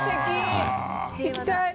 行きたい！